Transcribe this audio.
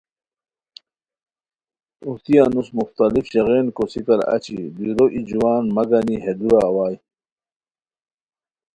اوہتی انوس مختلف ژاغین کوسیکار اچی دُورو ای جوان مہ گانی ہے دُورہ اوائے